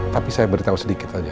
tapi saya beritahu sedikit saja